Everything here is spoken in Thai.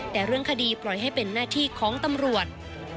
แต่เรื่องคดีปล่อยให้เป็นหน้าที่ของตำรวจ